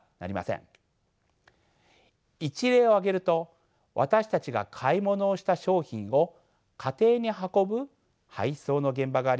一例を挙げると私たちが買い物をした商品を家庭に運ぶ配送の現場があります。